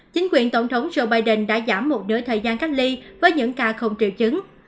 chính quyền tổng thống joe biden đã giảm một nửa thời gian cách ly với những ca không triệu chứng